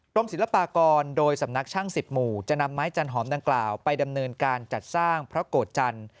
ศิลปากรโดยสำนักช่าง๑๐หมู่จะนำไม้จันหอมดังกล่าวไปดำเนินการจัดสร้างพระโกรธจันทร์